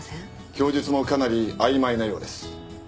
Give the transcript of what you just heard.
供述もかなり曖昧なようです。